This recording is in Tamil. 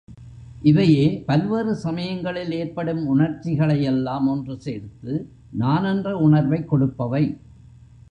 இவையே பல்வேறு சமயங்களில் ஏற்படும் உணர்ச்சிகளையெல்லாம் ஒன்று சேர்த்து, நான் என்ற உணர்வைக் கொடுப்பவை.